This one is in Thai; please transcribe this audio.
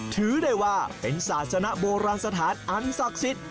ถือได้ว่าเป็นศาสนโบราณสถานอันศักดิ์สิทธิ์